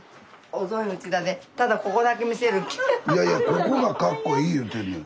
ここがかっこいい言うてんねん。